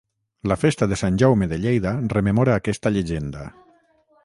La festa de Sant Jaume de Lleida rememora aquesta llegenda.